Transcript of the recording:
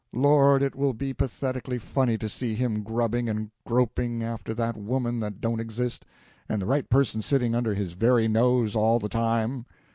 Lord, it will be pathetically funny to see him grubbing and groping after that woman that don't exist, and the right person sitting under his very nose all the time!"